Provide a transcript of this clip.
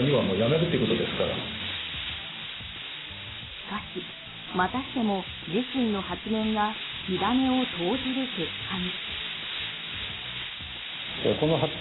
しかし、またしても自身の発言が火種を投じる結果に。